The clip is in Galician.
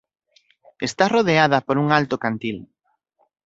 Está rodeada por un alto cantil.